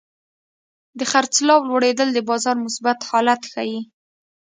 د خرڅلاو لوړېدل د بازار مثبت حالت ښيي.